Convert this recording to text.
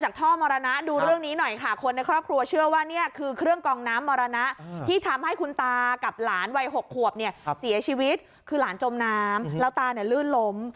ท่อมรณะดูเรื่องนี้หน่อยค่ะคนในครอบครัวเชื่อว่านี่คือเครื่องกองน้ำมรณะที่ทำให้คุณตากับหลานวัย๖ขวบเนี่ยเสียชีวิตคือหลานจมน้ำแล้วตาเนี่ยลื่นล้ม